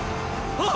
あっ！